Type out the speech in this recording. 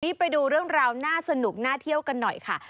นี่ไปดูเรื่องราวน่าสนุกน่าเที่ยวกันหน่อยค่ะ